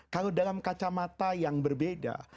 kalau dalam kacamata yang berbeda